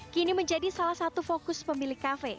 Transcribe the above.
kini menjadi salah satu fokus pemilik kafe